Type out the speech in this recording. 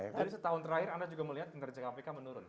jadi setahun terakhir anda juga melihat kinerja kpk menurun